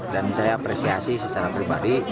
dan saya apresiasi secara pribadi